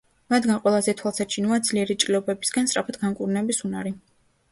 მათგან ყველაზე თვალსაჩინოა ძლიერი ჭრილობებისგან, სწრაფად განკურნების უნარი.